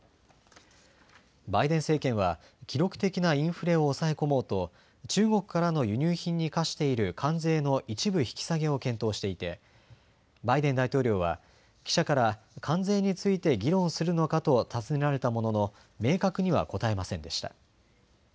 バイデン政権は記録的なインフレを抑え込もうと中国からの輸入品に課している関税の一部引き下げを検討していてバイデン大統領は記者から関税について議論するのかと尋ねられたものの明確には答えませんでした。